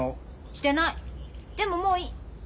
でももういい。